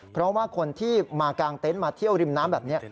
เพราะว่าคนที่มากางเต็นต์มาเที่ยวริมน้ำแบบนี้